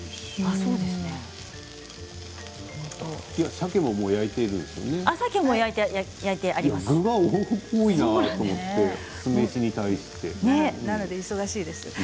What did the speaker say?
さけも焼いているんですね。